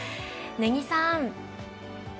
根木さん。